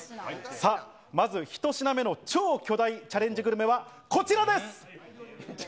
さあ、まず１品目の超巨大チャレンジグルメはこちらです。